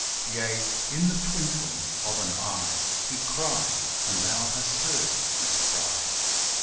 Yea, in the twinkling of an eye, He cried ; and Thou hast heard his cry.